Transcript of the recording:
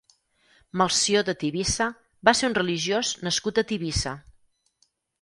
Melcior de Tivissa va ser un religiós nascut a Tivissa.